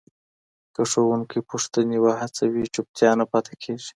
که ښوونکی پوښتني وهڅوي، چوپتیا نه پاته کېږي.